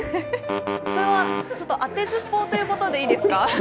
それは当てずっぽうということでいいですか？